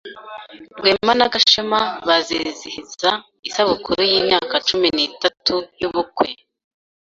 Rwema na Gashema bazizihiza isabukuru yimyaka cumi nitatu yubukwe.